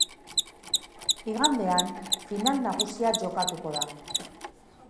Igandean, final nagusia jokatuko da.